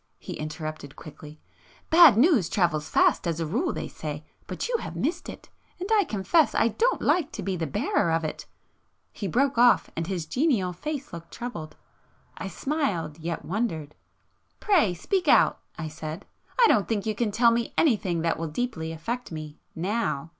he interrupted quickly—"Bad news travels fast as a rule they say,—but you have missed it ... and I confess I don't like to be the bearer of it ..." He broke off, and his genial face looked troubled. I smiled,—yet wondered. "Pray speak out!" I said—"I don't think you can tell me anything that will deeply affect me,—now.